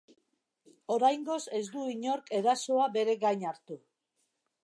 Oraingoz ez du inork erasoa bere gain hartu.